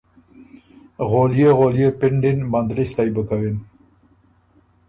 غوليې غوليې پِنډ اِن مندلِستئ بُو کَوِن۔